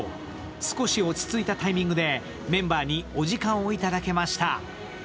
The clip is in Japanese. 少し落ち着いたタイミングでメンバーにお時間をいただけました。